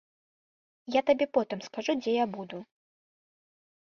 Я табе потым скажу, дзе я буду.